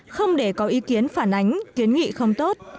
không để có ý kiến phản ánh kiến nghị không tốt